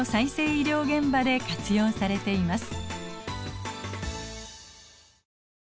医療現場で活用されています。